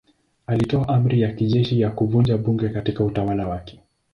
Alitoa amri ya kijeshi ya kuvunja bunge katika utawala wake.